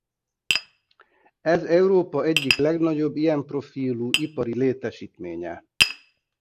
Ez Európa egyik legnagyobb ilyen profilú ipari létesítménye.